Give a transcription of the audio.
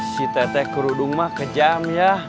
si tete kerudung mah kejam ya